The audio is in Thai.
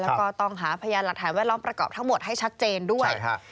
แล้วก็ต้องหาพยานหลักฐานแวดล้อมประกอบทั้งหมดให้ชัดเจนด้วย